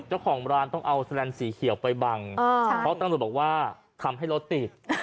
เจ้าของร้านต้องเอาแลนสีเขียวไปบังเพราะตำรวจบอกว่าทำให้รถติด